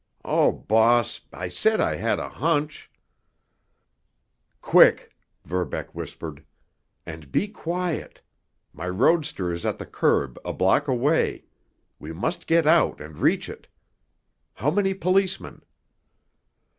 "Oh, boss! I said I had a hunch!" "Quick!" Verbeck whispered. "And be quiet! My roadster is at the curb a block away. We must get out and reach it. How many policemen?"